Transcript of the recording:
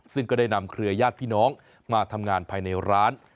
ซึ่งก็ได้นำเครือญาติพี่น้องมาทำงานภายในร้าน